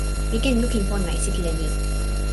mi ken lukin pona e sitelen ni.